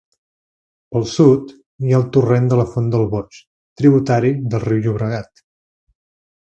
Pel sud, hi ha el torrent de la font del boix, tributari del riu Llobregat.